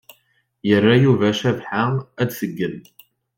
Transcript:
Yerra Yuba Cabḥa ad tgen.